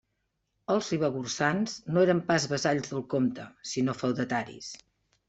Els ribagorçans no eren pas vassalls del comte, sinó feudataris.